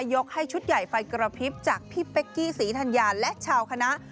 ยกให้ชุดใหญ่ไฟกระพริบจากพี่เป๊กกี้ศรีธัญญาและชาวคณะ